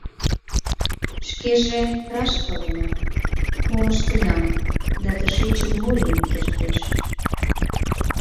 Шкеже раш паленам: мом ыштенам да тышечын мо лийын кертеш.